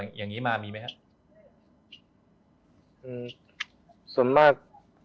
อย่างมีมามีมั้ยครับ